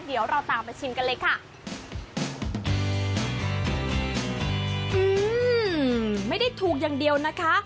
อื้อไม่ได้ถูกอย่างเดียวนะคะ